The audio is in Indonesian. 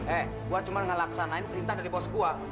eh gue cuma ngelaksanain perintah dari boskuah